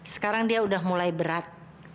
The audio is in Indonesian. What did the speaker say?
sekarang dia udah mulai berat